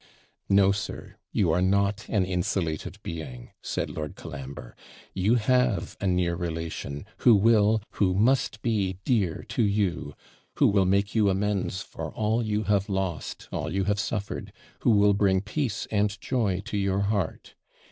'No, sir, you are not an insulated being,' said Lord Colambre 'you have a near relation, who will, who must be dear to you; who will make you amends for all you have lost, all you have suffered who will bring peace and joy to your heart.